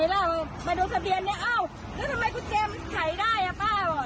เพราะรถพระไก่ไงครับผมใช่ที่ไหนแล้วมาดูทะเบียนเนี่ยอ้าว